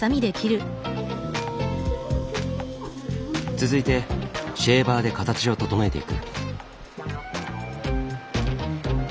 続いてシェーバーで形を整えていく。